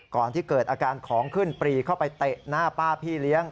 ก่อนที่เกิดอาการของขึ้นปรีเข้าไปเตะหน้าป้าพี่เลี้ยง